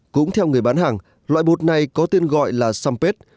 cũng theo người bán hàng loại bột này có tên gọi là sumpad